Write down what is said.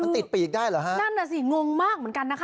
มันติดปีกได้เหรอฮะนั่นน่ะสิงงมากเหมือนกันนะคะ